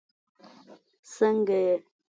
سنګه یی